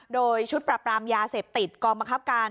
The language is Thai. โดยชุดปรับปรามยาเสพติดกองบังคับการ